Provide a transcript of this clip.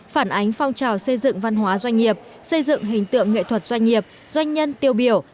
phản ánh phong trào xây dựng văn hóa doanh nghiệp xây dựng hình tượng nghệ thuật doanh nghiệp doanh nhân tiêu biểu